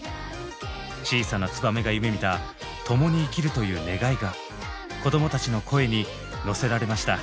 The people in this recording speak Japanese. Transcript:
小さなツバメが夢みた「共に生きる」という願いが子どもたちの声に乗せられました。